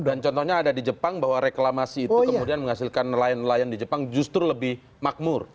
dan contohnya ada di jepang bahwa reklamasi itu kemudian menghasilkan nelayan nelayan di jepang justru lebih makmur